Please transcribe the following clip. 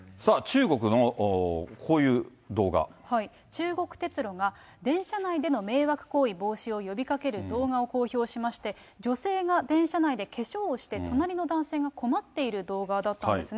中国鉄路が、電車内での迷惑行為防止を呼びかける動画を公表しまして、女性が電車内で化粧をして、隣の男性が困っている動画だったんですね。